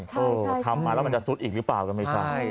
เออทำมาแล้วมันจะซุดอีกหรือเปล่าก็ไม่ใช่